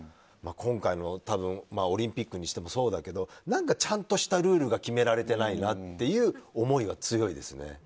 今回のオリンピックにしてもそうだけど何かちゃんとしたルールが決められてないなっていう思いは強いですね。